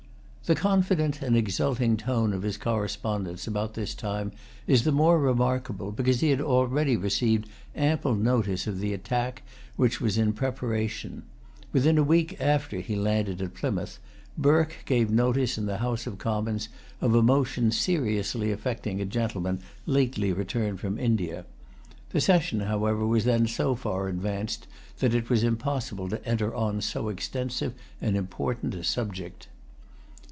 The confident and exulting tone of his correspondence about this time is the more remarkable, because he had already received ample notice of the attack which was in[Pg 205] preparation. Within a week after he landed at Plymouth, Burke gave notice in the House of Commons of a motion seriously affecting a gentleman lately returned from India. The session, however, was then so far advanced that it was impossible to enter on so extensive and important a subject.